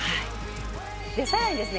でさらにですね